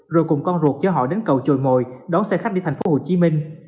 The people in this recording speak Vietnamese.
rồi cùng con ruột cho họ đến cầu chồi mồi đón xe khách đi thành phố hồ chí minh